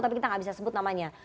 tapi kita nggak bisa sebut namanya